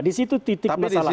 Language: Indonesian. di situ titik masalahnya